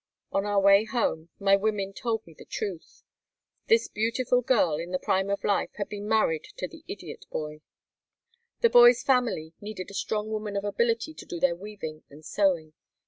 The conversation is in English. On our way home my women told me the truth. This beautiful girl in the prime of life had been married to the idiot boy. The boy's family needed a strong woman of ability to do their weaving and sewing.